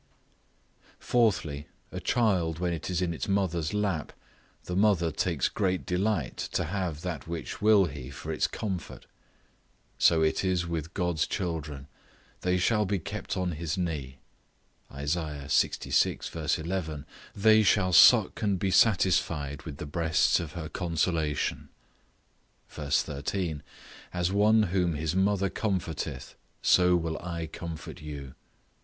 Fourthly, A child when it is in its mother's lap, the mother takes great delight to have that which will he for its comfort; so it is with God's children, they shall he kept on his knee; Isaiah lxvi. 11, "They shall stick and be satisfied with the breasts of her consolation." Ver. 13, "As one whom his mother comforteth, so will I comfort you."